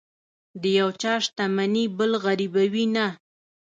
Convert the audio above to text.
د یو چا شتمني بل غریبوي نه.